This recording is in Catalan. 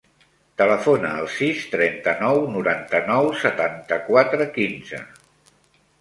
Telefona al sis, trenta-nou, noranta-nou, setanta-quatre, quinze.